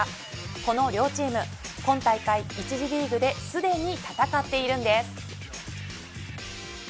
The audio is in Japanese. この両チーム今大会１次リーグですでに、戦っているんです。